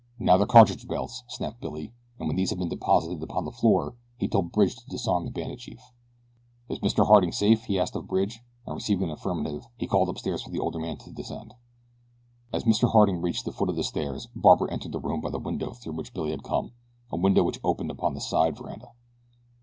"Now their cartridge belts!" snapped Billy, and when these had been deposited upon the floor he told Bridge to disarm the bandit chief. "Is Mr. Harding safe?" he asked of Bridge, and receiving an affirmative he called upstairs for the older man to descend. As Mr. Harding reached the foot of the stairs Barbara entered the room by the window through which Billy had come a window which opened upon the side veranda.